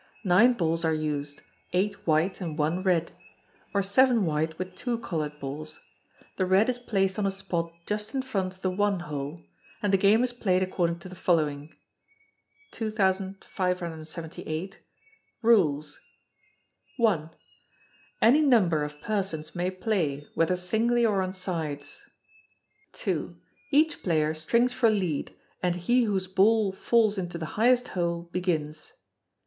Nine balls are used, eight white and one red; or seven white with two coloured balls. The red is placed on a spot just in front of the 1 hole; and the game is played according to the following: 2578. Rules. i. Any number of persons may play, whether singly or on sides. ii. Each player strings for lead, and he whose ball falls into the highest hole begins.